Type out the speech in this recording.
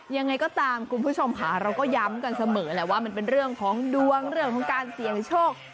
ยังไงก็ตามคุณผู้ชมค่ะเราก็ย้ำกันเสมอแหละว่ามันเป็นเรื่องของดวงเรื่องของการเสี่ยงโชค